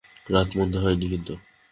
রাত মন্দ হয় নি কিন্তু।